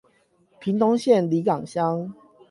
屏東縣里港鄉